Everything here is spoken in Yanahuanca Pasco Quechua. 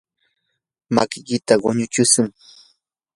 makiykita quñutsikuy.